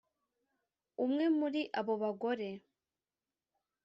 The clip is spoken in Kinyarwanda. umwe muri abo bagore